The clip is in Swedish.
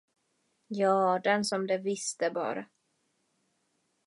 Ja, den som det visste bara!